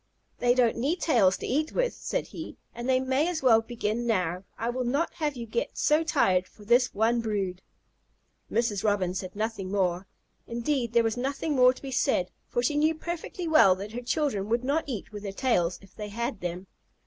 "They don't need tails to eat with," said he, "and they may as well begin now. I will not have you get so tired for this one brood." Mrs. Robin said nothing more. Indeed, there was nothing more to be said, for she knew perfectly well that her children would not eat with their tails if they had them.